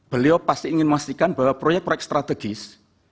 beliau pasti ingin memastikan bahwa proyek proyek strategis